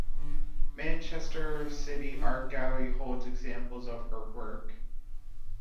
Manchester City Art Gallery holds examples of her work.